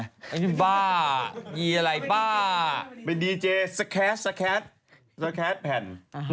อันนี้บ้ายีอะไรบ้าเป็นดีเจสแคสสแคทสแคทแผ่น